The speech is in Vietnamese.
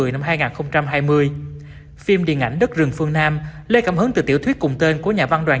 một mươi năm hai nghìn hai mươi phim điện ảnh đất rừng vương nam lây cảm hứng từ tiểu thuyết cùng tên của nhà văn đoàn